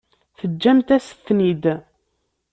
Teǧǧamt-as-ten-id.